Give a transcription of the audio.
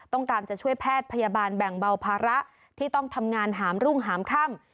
ต้องการจะช่วยแพทย์พยาบาลแบ่งเบาภาระที่ต้องทำงานหามรุ่งหามค่ำ